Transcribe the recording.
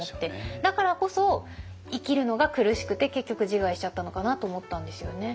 だからこそ生きるのが苦しくて結局自害しちゃったのかなと思ったんですよね。